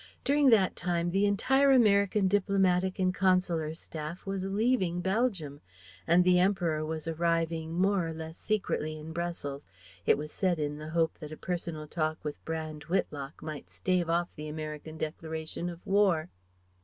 During that time, the entire American diplomatic and consular staff was leaving Belgium; and the Emperor was arriving more or less secretly in Brussels (it was said in the hope that a personal talk with Brand Whitlock might stave off the American declaration of war).